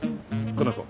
この子。